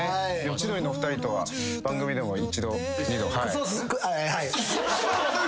千鳥のお二人とは番組でも一度二度はい。